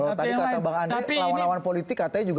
kalau tadi kata bang andre lawan lawan politik katanya juga